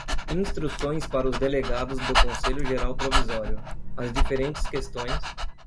Instruções para os Delegados do Conselho Geral Provisório. As Diferentes Questões